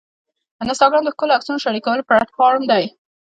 انسټاګرام د ښکلو عکسونو شریکولو پلیټفارم دی.